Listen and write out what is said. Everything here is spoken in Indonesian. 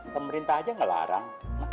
pemerintah aja nggak larang